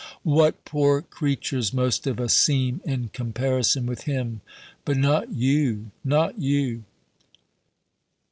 What poor creatures most of us seem in comparison with him! But not you, not you!"